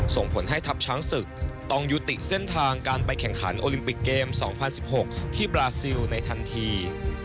ส่งผลให้ทัพช้างศึกต้องยุติเส้นทางการไปแข่งขันโอลิมปิกเกม๒๐๑๖ที่บราซิลในทันที